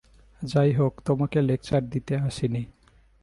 যাইহোক, তোমাকে লেকচার দিতে আসি নি।